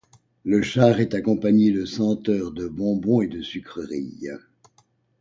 Le char est accompagné de senteurs de bonbons et de sucreries.